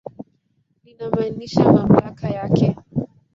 Linamaanisha mamlaka yake.